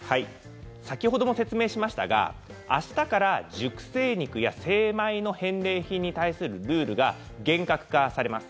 先ほども説明しましたが明日から熟成肉や精米の返礼品に対するルールが厳格化されます。